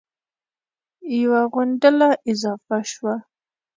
یوه غونډله اضافه شوه